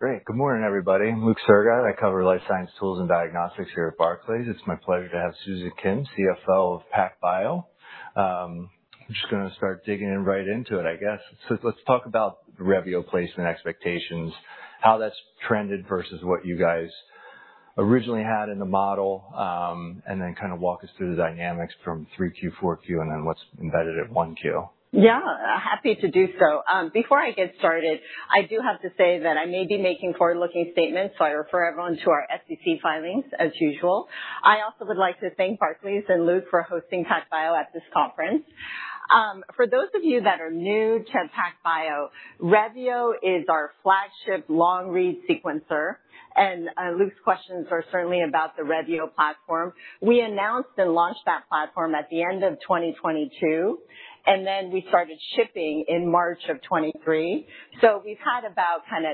Great. Good morning, everybody. I'm Luke Sergott. I cover life science tools and diagnostics here at Barclays. It's my pleasure to have Susan Kim, CFO of PacBio. We're just going to start digging right into it, I guess. So let's talk about Revio placement expectations, how that's trended versus what you guys originally had in the model, and then kind of walk us through the dynamics from 3Q, 4Q, and then what's embedded at 1Q. Yeah, happy to do so. Before I get started, I do have to say that I may be making forward-looking statements, so I refer everyone to our SEC filings, as usual. I also would like to thank Barclays and Luke for hosting PacBio at this conference. For those of you that are new to PacBio, Revio is our flagship long-read sequencer, and Luke's questions are certainly about the Revio platform. We announced and launched that platform at the end of 2022, and then we started shipping in March of 2023. So we've had about kind of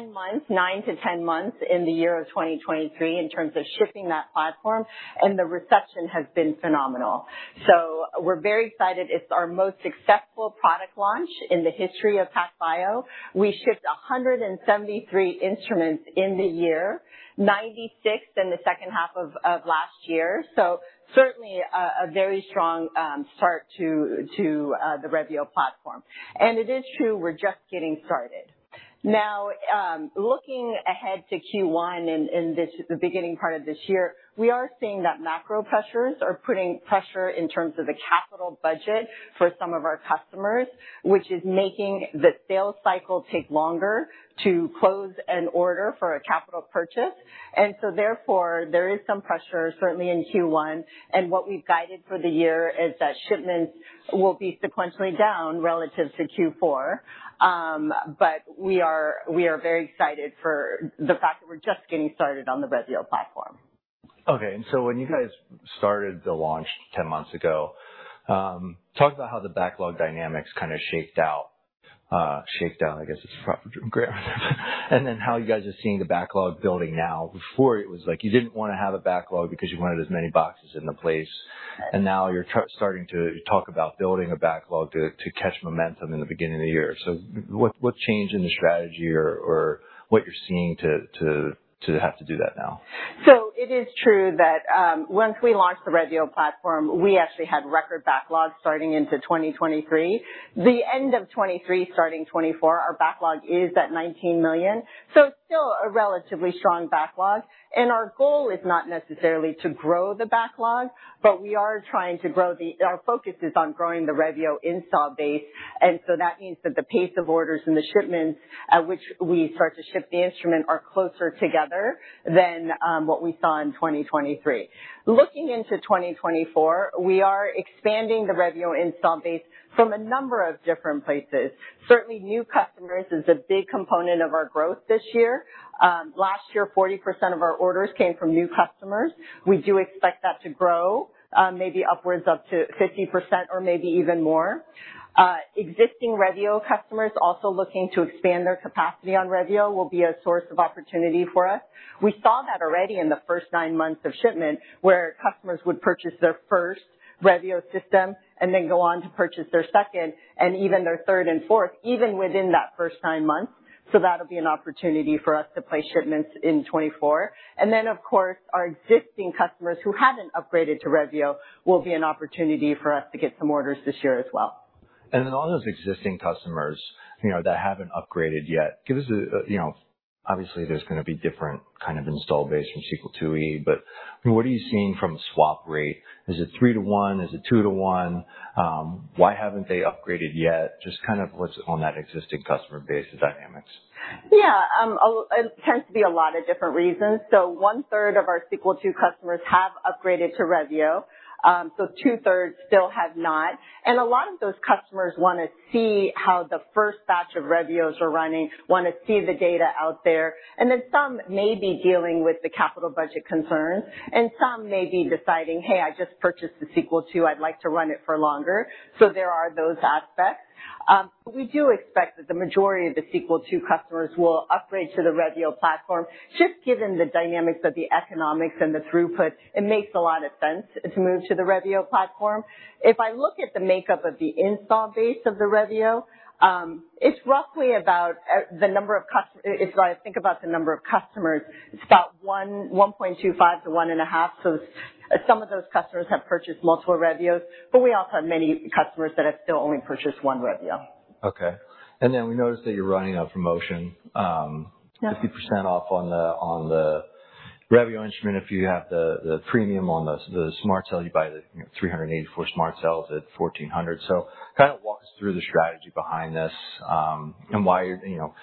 10 months, nine to 10 months, in the year of 2023 in terms of shipping that platform, and the reception has been phenomenal. So we're very excited. It's our most successful product launch in the history of PacBio. We shipped 173 instruments in the year, 96 in the second half of last year. So certainly, a very strong start to the Revio platform. And it is true we're just getting started. Now, looking ahead to Q1 and this, the beginning part of this year, we are seeing that macro pressures are putting pressure in terms of the capital budget for some of our customers, which is making the sales cycle take longer to close an order for a capital purchase. And so therefore, there is some pressure, certainly in Q1, and what we've guided for the year is that shipments will be sequentially down relative to Q4. But we are very excited for the fact that we're just getting started on the Revio platform. Okay. So when you guys started the launch 10 months ago, talk about how the backlog dynamics kind of shaked out, shaked out, I guess it's proper grammar, and then how you guys are seeing the backlog building now. Before, it was like you didn't want to have a backlog because you wanted as many boxes in the place, and now you're starting to talk about building a backlog to catch momentum in the beginning of the year. So what's changed in the strategy or what you're seeing to have to do that now? So it is true that, once we launched the Revio platform, we actually had record backlog starting into 2023. The end of 2023, starting 2024, our backlog is at $19 million. So it's still a relatively strong backlog. And our goal is not necessarily to grow the backlog, but we are trying to grow the our focus is on growing the Revio install base, and so that means that the pace of orders and the shipments at which we start to ship the instrument are closer together than what we saw in 2023. Looking into 2024, we are expanding the Revio install base from a number of different places. Certainly, new customers is a big component of our growth this year. Last year, 40% of our orders came from new customers. We do expect that to grow, maybe upwards up to 50% or maybe even more. Existing Revio customers also looking to expand their capacity on Revio will be a source of opportunity for us. We saw that already in the first nine months of shipment where customers would purchase their first Revio system and then go on to purchase their second and even their third and fourth, even within that first nine months. So that'll be an opportunity for us to place shipments in 2024. And then, of course, our existing customers who haven't upgraded to Revio will be an opportunity for us to get some orders this year as well. Then all those existing customers, you know, that haven't upgraded yet, give us a you know, obviously, there's going to be different kind of install base Sequel IIe, but what are you seeing from swap rate? Is it three to one? Is it two to one? Why haven't they upgraded yet? Just kind of what's on that existing customer base, the dynamics. Yeah, actually it tends to be a lot of different reasons. So one-third of our Sequel II customers have upgraded to Revio, so two-thirds still have not. And a lot of those customers want to see how the first batch of Revios are running, want to see the data out there. And then some may be dealing with the capital budget concerns, and some may be deciding, "Hey, I just purchased a Sequel II. I'd like to run it for longer." So there are those aspects. But we do expect that the majority of the Sequel II customers will upgrade to the Revio platform. Just given the dynamics of the economics and the throughput, it makes a lot of sense to move to the Revio platform. If I look at the makeup of the install base of the Revio, it's roughly about the number of customers if I think about the number of customers, it's about one, 1.25 to 1.5. So some of those customers have purchased multiple Revios, but we also have many customers that have still only purchased one Revio. Okay. And then we noticed that you're running a promotion, 50% off on the Revio instrument if you have the premium on the SMRT Cell. You buy the, you know, 384 SMRT Cells at $1,400. So kind of walk us through the strategy behind this, and why you're, you know,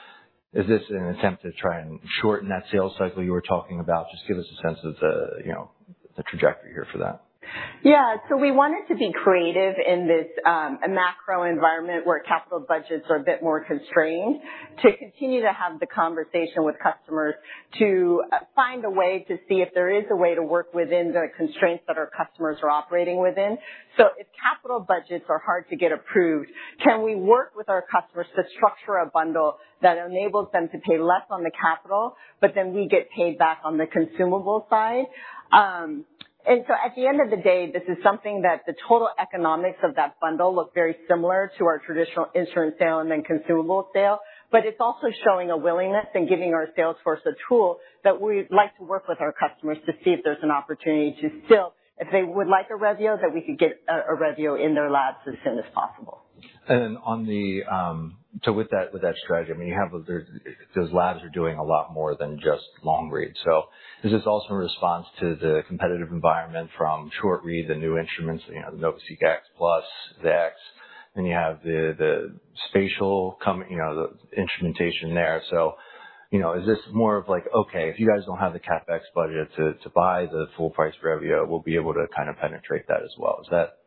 is this an attempt to try and shorten that sales cycle you were talking about? Just give us a sense of the, you know, the trajectory here for that. Yeah. So we wanted to be creative in this, a macro environment where capital budgets are a bit more constrained to continue to have the conversation with customers, to find a way to see if there is a way to work within the constraints that our customers are operating within. So if capital budgets are hard to get approved, can we work with our customers to structure a bundle that enables them to pay less on the capital, but then we get paid back on the consumable side? And so, at the end of the day, this is something that the total economics of that bundle look very similar to our traditional instrument sale and then consumable sale, but it's also showing a willingness and giving our sales force a tool that we'd like to work with our customers to see if there's an opportunity to still, if they would like a Revio, that we could get a Revio in their labs as soon as possible. So with that strategy, I mean, you have a—there's those labs are doing a lot more than just long-read. So is this also in response to the competitive environment from short-read, the new instruments, you know, the NovaSeq X Plus, the X? Then you have the spatial comp, you know, the instrumentation there. So, you know, is this more of like, "Okay, if you guys don't have the CapEx budget to buy the full-price Revio, we'll be able to kind of penetrate that as well"? Is that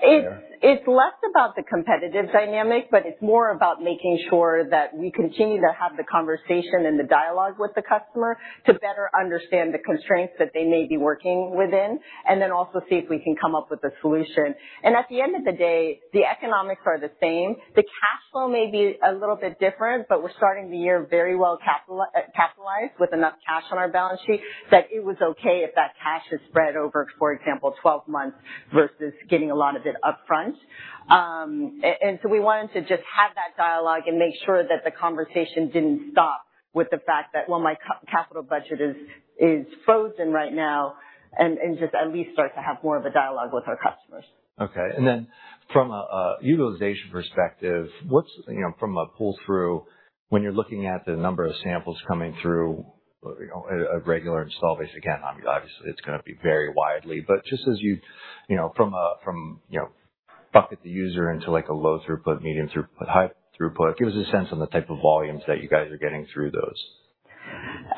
fair? It, it's less about the competitive dynamic, but it's more about making sure that we continue to have the conversation and the dialogue with the customer to better understand the constraints that they may be working within, and then also see if we can come up with a solution. At the end of the day, the economics are the same. The cash flow may be a little bit different, but we're starting the year very well capitalized with enough cash on our balance sheet that it was okay if that cash is spread over, for example, 12 months versus getting a lot of it upfront. And so we wanted to just have that dialogue and make sure that the conversation didn't stop with the fact that, "Well, my capital budget is frozen right now," and just at least start to have more of a dialogue with our customers. Okay. And then from a utilization perspective, what's you know from a pull-through, when you're looking at the number of samples coming through, you know a regular installed base again, obviously, it's going to be very widely, but just as you you know bucket the user into like a low throughput, medium throughput, high throughput, give us a sense on the type of volumes that you guys are getting through those.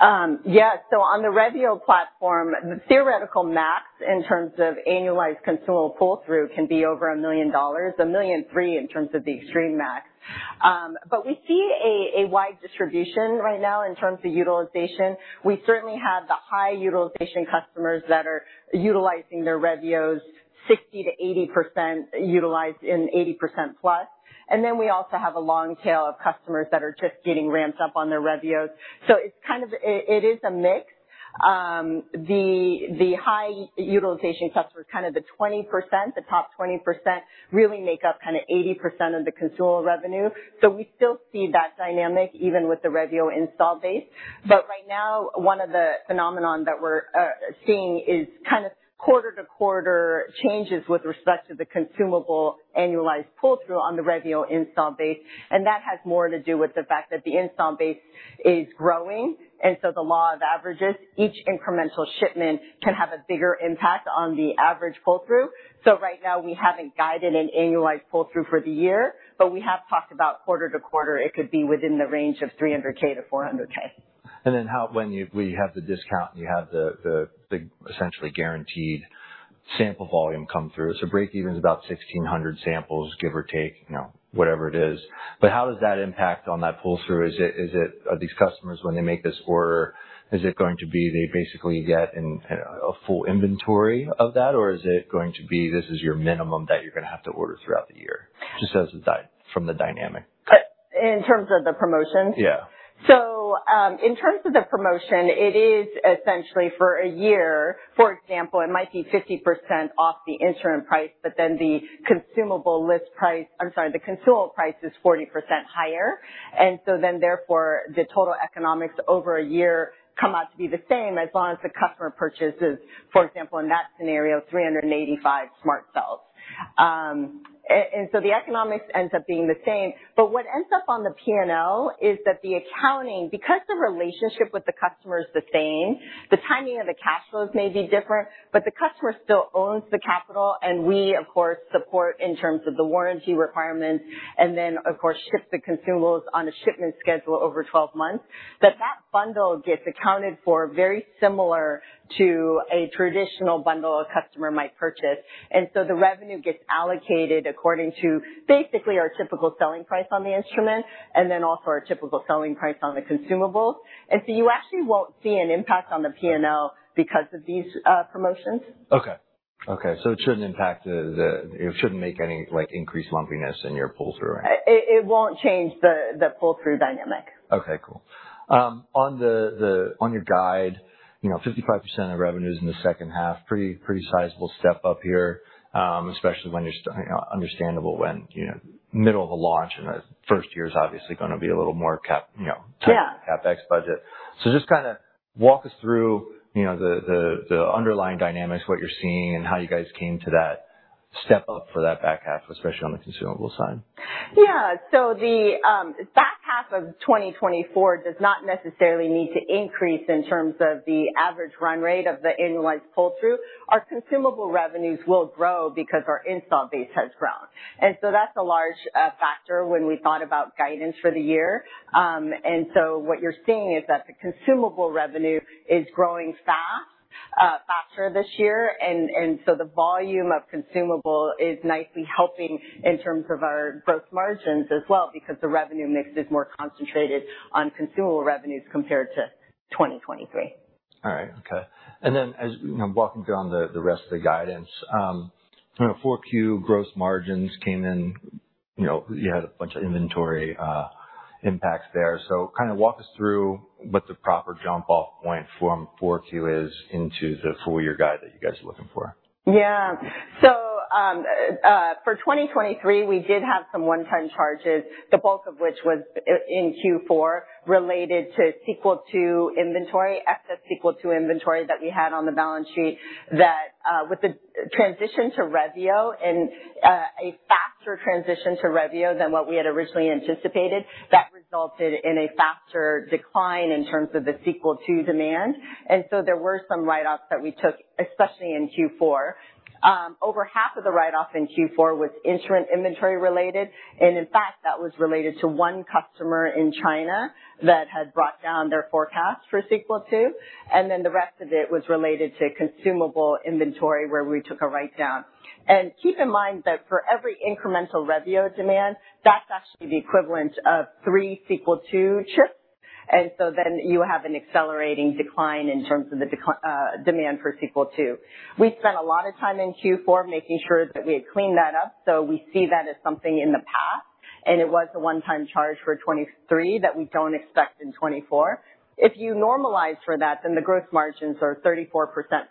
Yeah. So on the Revio platform, the theoretical max in terms of annualized consumable pull-through can be over $1 million, $1.3 million in terms of the extreme max. But we see a wide distribution right now in terms of utilization. We certainly have the high utilization customers that are utilizing their Revios, 60%-80% utilized in 80%+. And then we also have a long tail of customers that are just getting ramped up on their Revios. So it's kind of a it is a mix. The high utilization customers, kind of the 20%, the top 20%, really make up kind of 80% of the consumable revenue. So we still see that dynamic even with the Revio install base. But right now, one of the phenomena that we're seeing is kind of quarter-to-quarter changes with respect to the consumable annualized pull-through on the Revio install base. And that has more to do with the fact that the install base is growing, and so the law of averages, each incremental shipment can have a bigger impact on the average pull-through. So right now, we haven't guided an annualized pull-through for the year, but we have talked about quarter to quarter, it could be within the range of $300K-$400K. Then how, when you have the discount and you have the essentially guaranteed sample volume come through, so break-even's about 1,600 samples, give or take, you know, whatever it is, but how does that impact on that pull-through? Are these customers, when they make this order, is it going to be they basically get a full inventory of that, or is it going to be, "This is your minimum that you're going to have to order throughout the year"? Just as a follow-up from the dynamic. in terms of the promotion? Yeah. So, in terms of the promotion, it is essentially for a year, for example, it might be 50% off the instrument price, but then the consumable list price I'm sorry, the consumable price is 40% higher. And so then, therefore, the total economics over a year come out to be the same as long as the customer purchases, for example, in that scenario, 385 SMRT cells. And so the economics ends up being the same. But what ends up on the P&L is that the accounting, because the relationship with the customer is the same, the timing of the cash flows may be different, but the customer still owns the capital, and we, of course, support in terms of the warranty requirements and then, of course, ship the consumables on a shipment schedule over 12 months, that that bundle gets accounted for very similar to a traditional bundle a customer might purchase. And so the revenue gets allocated according to basically our typical selling price on the instrument and then also our typical selling price on the consumables. And so you actually won't see an impact on the P&L because of these promotions. Okay. So it shouldn't make any, like, increased lumpiness in your pull-through. It won't change the pull-through dynamic. Okay. Cool. On your guide, you know, 55% of revenues in the second half, pretty sizable step up here, especially when you're, you know, understandable when, you know, middle of the launch, and the first year is obviously going to be a little more capital, you know, tight on the CapEx budget. So just kind of walk us through, you know, the underlying dynamics, what you're seeing, and how you guys came to that step up for that back half, especially on the consumable side. Yeah. So the back half of 2024 does not necessarily need to increase in terms of the average run rate of the annualized pull-through. Our consumable revenues will grow because our install base has grown. And so that's a large factor when we thought about guidance for the year. And so what you're seeing is that the consumable revenue is growing fast, faster this year, and so the volume of consumable is nicely helping in terms of our growth margins as well because the revenue mix is more concentrated on consumable revenues compared to 2023. All right. Okay. And then, as you know, walking through the rest of the guidance, you know, 4Q growth margins came in, you know, you had a bunch of inventory impacts there. So, kind of walk us through what the proper jump-off point from 4Q is into the full-year guide that you guys are looking for. Yeah. So, for 2023, we did have some one-time charges, the bulk of which was, in Q4, related to Sequel II inventory, excess Sequel II inventory that we had on the balance sheet that, with the transition to Revio and, a faster transition to Revio than what we had originally anticipated, that resulted in a faster decline in terms of the Sequel II demand. And so there were some write-offs that we took, especially in Q4. Over half of the write-off in Q4 was instrument inventory related. And in fact, that was related to one customer in China that had brought down their forecast for Sequel II. And then the rest of it was related to consumable inventory where we took a write-down. And keep in mind that for every incremental Revio demand, that's actually the equivalent of three Sequel II chips. And so then you have an accelerating decline in terms of the declining demand Sequel II. We spent a lot of time in Q4 making sure that we had cleaned that up. So we see that as something in the past, and it was a one-time charge for 2023 that we don't expect in 2024. If you normalize for that, then the growth margins are 34%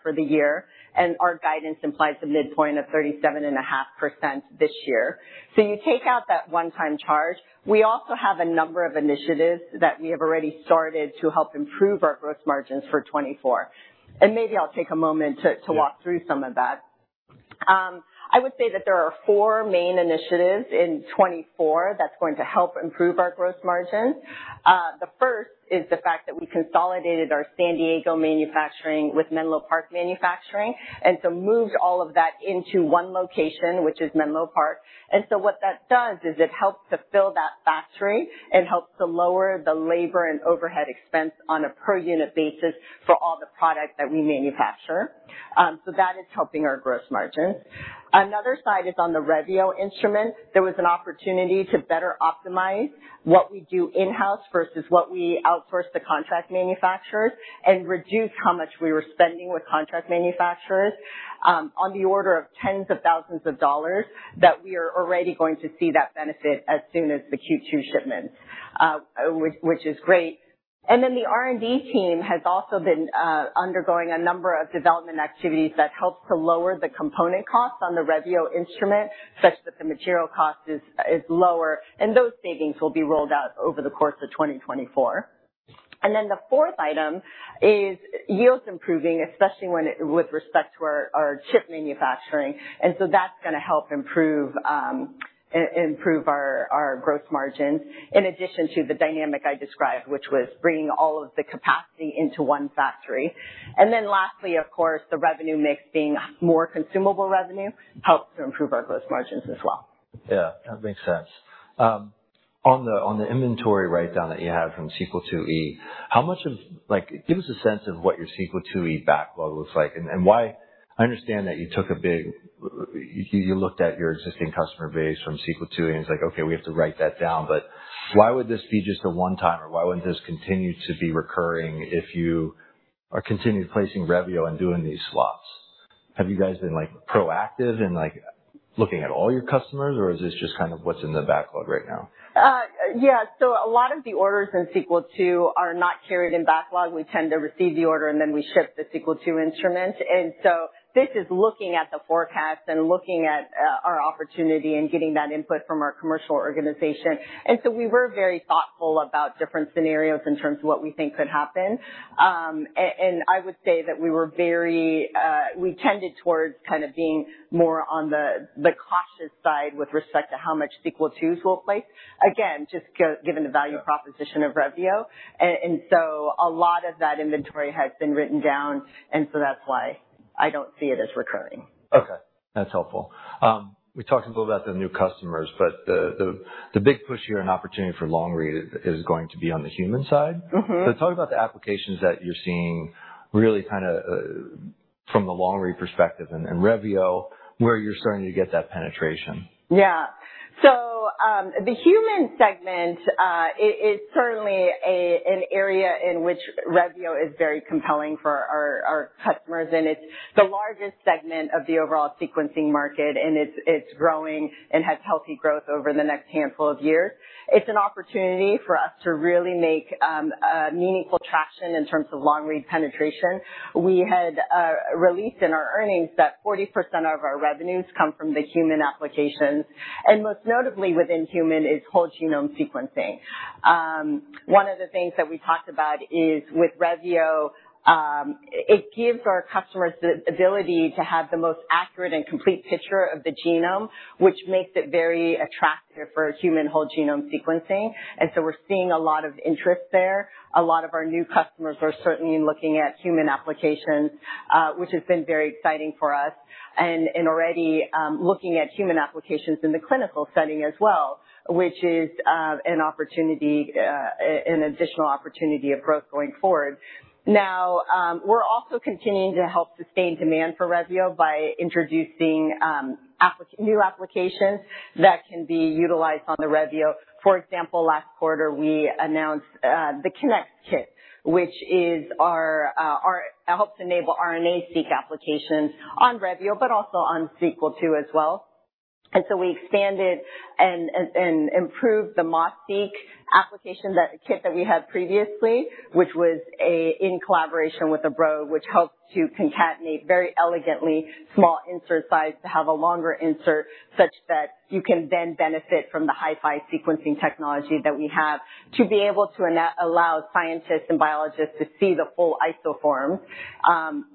for the year, and our guidance implies a midpoint of 37.5% this year. So you take out that one-time charge. We also have a number of initiatives that we have already started to help improve our growth margins for 2024. And maybe I'll take a moment to walk through some of that. I would say that there are four main initiatives in 2024 that's going to help improve our growth margins. The first is the fact that we consolidated our San Diego manufacturing with Menlo Park manufacturing and so moved all of that into one location, which is Menlo Park. And so what that does is it helps to fill that factory and helps to lower the labor and overhead expense on a per-unit basis for all the product that we manufacture. So that is helping our gross margins. Another side is on the Revio instrument. There was an opportunity to better optimize what we do in-house versus what we outsource to contract manufacturers and reduce how much we were spending with contract manufacturers, on the order of tens of thousands of dollars that we are already going to see that benefit as soon as the Q2 shipments, which, which is great. And then the R&D team has also been undergoing a number of development activities that helps to lower the component costs on the Revio instrument such that the material cost is lower. And those savings will be rolled out over the course of 2024. And then the fourth item is yields improving, especially when it with respect to our chip manufacturing. And so that's going to help improve our growth margins in addition to the dynamic I described, which was bringing all of the capacity into one factory. And then lastly, of course, the revenue mix being more consumable revenue helps to improve our growth margins as well. Yeah. That makes sense. On the on the inventory write-down that you have from Sequel IIe, how much of like, give us a sense of what your Sequel IIe backlog looks like and, and why I understand that you took a big you, you looked at your existing customer base from Sequel IIe and it's like, "Okay, we have to write that down," but why would this be just a one-time, or why wouldn't this continue to be recurring if you are continued placing Revio and doing these slots? Have you guys been, like, proactive in, like, looking at all your customers, or is this just kind of what's in the backlog right now? Yeah. So a lot of the orders in Sequel II are not carried in backlog. We tend to receive the order, and then we ship the Sequel II instrument. And so this is looking at the forecast and looking at our opportunity and getting that input from our commercial organization. And so we were very thoughtful about different scenarios in terms of what we think could happen. And I would say that we were very; we tended towards kind of being more on the cautious side with respect to how much Sequel IIs we'll place, again, just given the value proposition of Revio. And so a lot of that inventory has been written down, and so that's why I don't see it as recurring. Okay. That's helpful. We talked a little about the new customers, but the big push here and opportunity for long read is going to be on the human side. Mm-hmm. So, talk about the applications that you're seeing really kind of from the long read perspective and, and Revio, where you're starting to get that penetration. Yeah. So, the human segment, it's certainly an area in which Revio is very compelling for our customers, and it's the largest segment of the overall sequencing market, and it's growing and has healthy growth over the next handful of years. It's an opportunity for us to really make a meaningful traction in terms of long read penetration. We had released in our earnings that 40% of our revenues come from the human applications. And most notably within human is whole genome sequencing. One of the things that we talked about is with Revio, it gives our customers the ability to have the most accurate and complete picture of the genome, which makes it very attractive for human whole genome sequencing. And so we're seeing a lot of interest there. A lot of our new customers are certainly looking at human applications, which has been very exciting for us and already looking at human applications in the clinical setting as well, which is an additional opportunity of growth going forward. Now, we're also continuing to help sustain demand for Revio by introducing new applications that can be utilized on the Revio. For example, last quarter, we announced the Kinnex kit, which is ours. It helps enable RNA-seq applications on Revio but also on Sequel II as well. And so we expanded and improved the MAS-Seq application, that kit that we had previously, which was a collaboration with the Broad, which helped to concatenate very elegantly small insert size to have a longer insert such that you can then benefit from the HiFi sequencing technology that we have to be able to enable scientists and biologists to see the full isoforms,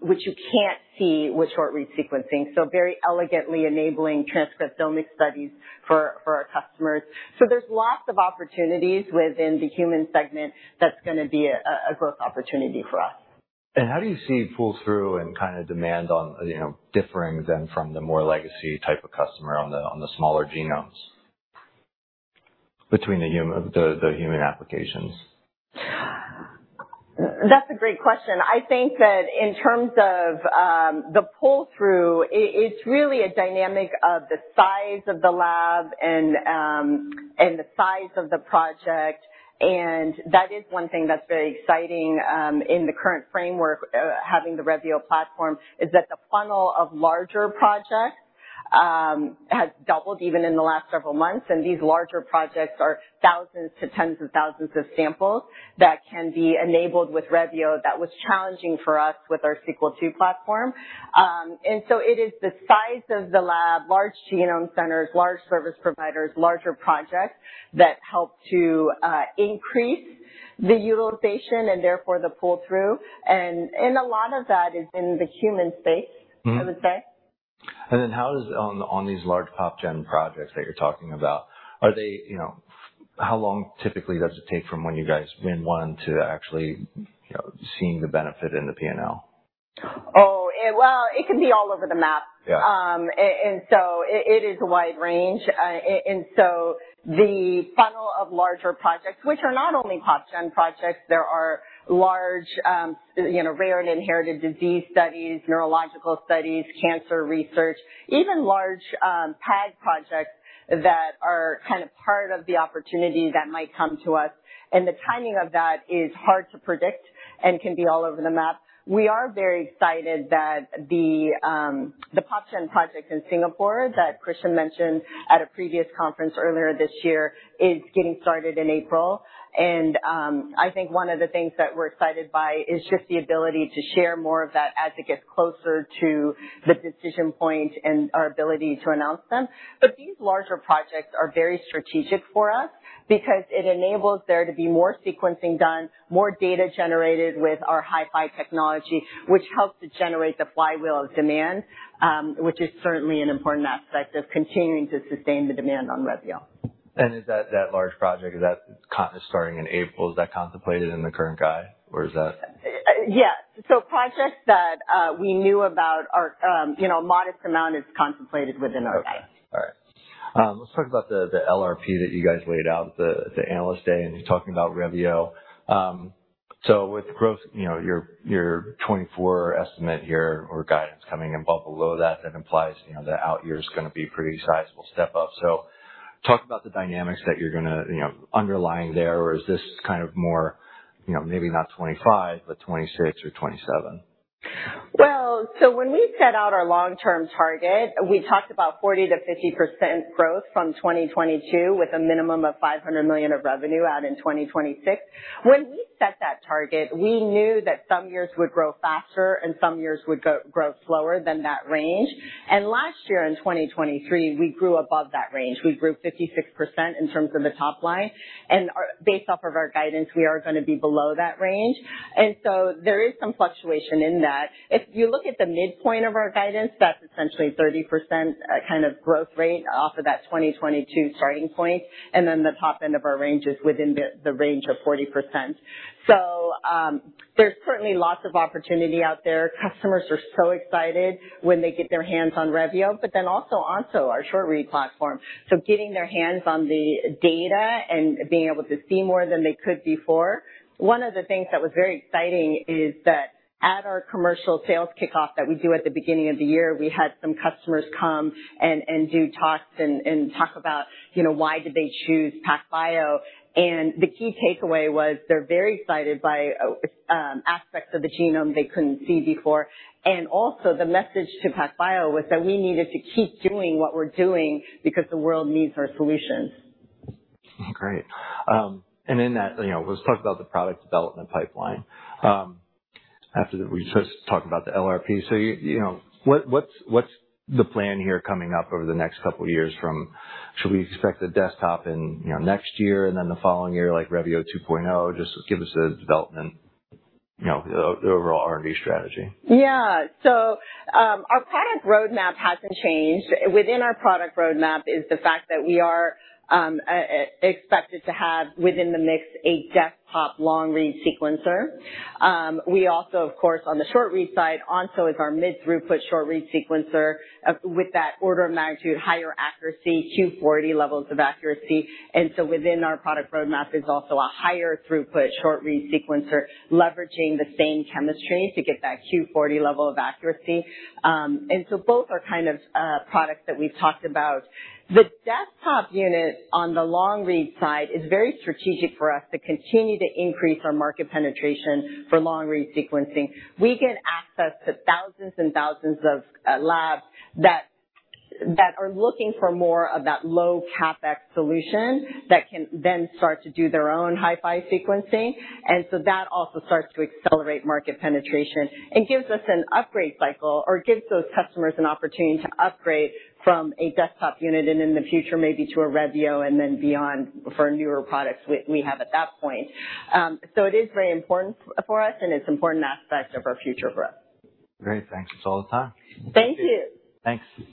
which you can't see with short-read sequencing. So very elegantly enabling transcriptomic studies for our customers. So there's lots of opportunities within the human segment that's going to be a growth opportunity for us. How do you see pull-through and kind of demand on, you know, differing then from the more legacy type of customer on the smaller genomes between the human applications? That's a great question. I think that in terms of, the pull-through, it's really a dynamic of the size of the lab and, and the size of the project. And that is one thing that's very exciting, in the current framework, having the Revio platform, is that the funnel of larger projects, has doubled even in the last several months. And these larger projects are thousands to tens of thousands of samples that can be enabled with Revio that was challenging for us with our Sequel II platform. And so it is the size of the lab, large genome centers, large service providers, larger projects that help to, increase the utilization and therefore the pull-through. And a lot of that is in the human space, I would say. Mm-hmm. And then how does, on these large pop-gen projects that you're talking about, you know, how long typically does it take from when you guys win one to actually, you know, seeing the benefit in the P&L? Oh, well, it can be all over the map. Yeah. And so it is a wide range. And so the funnel of larger projects, which are not only pop-gen projects, there are large, you know, rare and inherited disease studies, neurological studies, cancer research, even large, PAD projects that are kind of part of the opportunity that might come to us. And the timing of that is hard to predict and can be all over the map. We are very excited that the pop-gen project in Singapore that Christian mentioned at a previous conference earlier this year is getting started in April. And I think one of the things that we're excited by is just the ability to share more of that as it gets closer to the decision point and our ability to announce them. But these larger projects are very strategic for us because it enables there to be more sequencing done, more data generated with our Hi-Fi technology, which helps to generate the flywheel of demand, which is certainly an important aspect of continuing to sustain the demand on Revio. Is that, that large project is that content starting in April? Is that contemplated in the current guide, or is that? Yes. So projects that we knew about are, you know, modest amount is contemplated within our guide. Okay. All right. Let's talk about the LRP that you guys laid out the analyst day, and you're talking about Revio. So with growth, you know, your 2024 estimate here or guidance coming and above below that, that implies, you know, the out year's going to be a pretty sizable step up. So talk about the dynamics that you're going to, you know, underlying there, or is this kind of more, you know, maybe not 2025 but 2026 or 2027? Well, so when we set out our long-term target, we talked about 40%-50% growth from 2022 with a minimum of $500 million of revenue out in 2026. When we set that target, we knew that some years would grow faster and some years would grow slower than that range. And last year in 2023, we grew above that range. We grew 56% in terms of the top line. And based off of our guidance, we are going to be below that range. And so there is some fluctuation in that. If you look at the midpoint of our guidance, that's essentially 30%, kind of growth rate off of that 2022 starting point. And then the top end of our range is within the range of 40%. So, there's certainly lots of opportunity out there. Customers are so excited when they get their hands on Revio but then also Onso, our short read platform. So getting their hands on the data and being able to see more than they could before, one of the things that was very exciting is that at our commercial sales kickoff that we do at the beginning of the year, we had some customers come and do talks and talk about, you know, why did they choose PacBio? And the key takeaway was they're very excited by aspects of the genome they couldn't see before. And also, the message to PacBio was that we needed to keep doing what we're doing because the world needs our solutions. Great. In that, you know, let's talk about the product development pipeline. After that, we just talked about the LRP. So you, you know, what's the plan here coming up over the next couple of years from should we expect the desktop in, you know, next year and then the following year like Revio 2.0? Just give us a development, you know, the overall R&D strategy. Yeah. So, our product roadmap hasn't changed. Within our product roadmap is the fact that we are expected to have within the mix a desktop long read sequencer. We also, of course, on the short read side, Onso is our mid-throughput short read sequencer with that order of magnitude higher accuracy, Q40 levels of accuracy. And so within our product roadmap is also a higher throughput short read sequencer leveraging the same chemistry to get that Q40 level of accuracy. And so both are kind of products that we've talked about. The desktop unit on the long read side is very strategic for us to continue to increase our market penetration for long read sequencing. We get access to thousands and thousands of labs that are looking for more of that low-CapEx solution that can then start to do their own Hi-Fi sequencing. So that also starts to accelerate market penetration and gives us an upgrade cycle or gives those customers an opportunity to upgrade from a desktop unit and in the future maybe to a Revio and then beyond for newer products we have at that point. So it is very important for us, and it's an important aspect of our future growth. Great. Thanks for all the time. Thank you. Thanks.